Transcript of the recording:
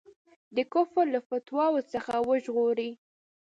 د کفر له فتواوو څخه وژغوري.